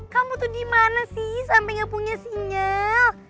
kamu tuh dimana sih sampe gak punya sinyal